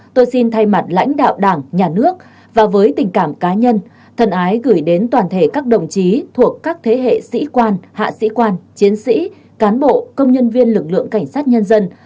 tôi xin thay mặt lãnh đạo đảng nhà nước và với tình cảm cá nhân thân ái gửi đến toàn thể các đồng chí thuộc các thế hệ sĩ quan hạ sĩ quan chiến sĩ cán bộ công nhân viên lực lượng cảnh sát nhân dân